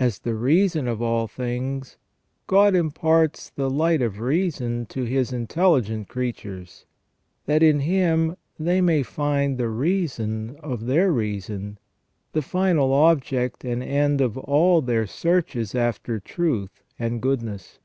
As the reason of all things, God imparts the light of reason to His intelligent creatures, that in Him they may find the reason of their reason, the final object and end of all their searches after truth and goodness.